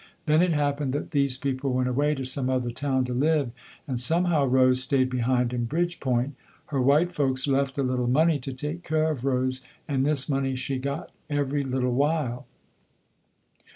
Then it happened that these people went away to some other town to live, and somehow Rose stayed behind in Bridgepoint. Her white folks left a little money to take care of Rose, and this money she got every little while.